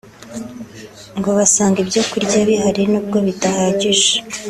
ngo basanga ibyo kurya bihari nubwo bidahagije